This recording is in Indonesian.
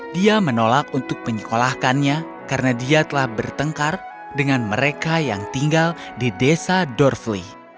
dia menolak untuk menyekolahkannya karena dia telah bertengkar dengan mereka yang tinggal di desa dorveli